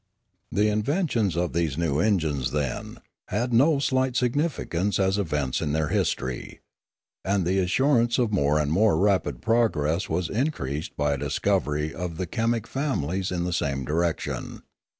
The invention of these new engines, then, had no slight significance as events in their history. And the assurance of more and more rapid progress was in creased by a discovery of the chemic families in the same direction.